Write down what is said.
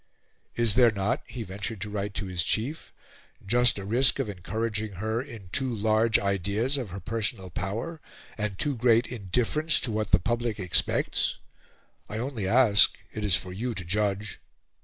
"Is there not," he ventured to write to his Chief, "just a risk of encouraging her in too large ideas of her personal power, and too great indifference to what the public expects? I only ask; it is for you to judge."